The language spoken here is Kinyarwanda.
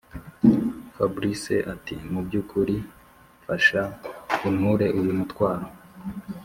fabric ati”mubyukuri mfasha unture uyu mutwaro”